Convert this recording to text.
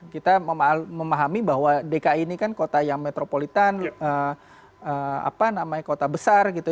kita memahami bahwa dki ini kan kota yang metropolitan apa namanya kota besar gitu